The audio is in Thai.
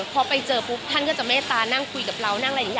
พอไปเจอปุ๊บท่านก็จะเมตตานั่งคุยกับเรานั่งอะไรอย่างนี้